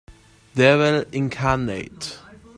Devil incarnate